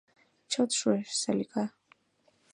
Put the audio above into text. Чот шуэш, Салика.